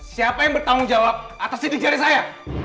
siapa yang bertanggung jawab atas sidik jari saya